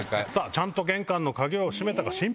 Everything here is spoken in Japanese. ちゃんと玄関の鍵を閉めたか心配！